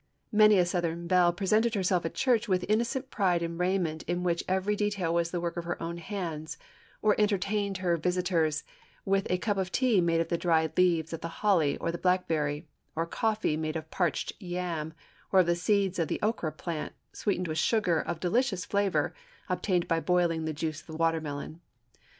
Many a Southern belle presented herself at church with innocent pride in raiment in which every detail was the work of her own hands ; or entertained her visitors with a cup of tea made of the dried leaves of the holly or the blackberry, or coffee made of parched yam or of the seeds of the okra plant, sweetened with sugar of delicious flavor, obtained by boiling xoookaded the juice of the watermelon.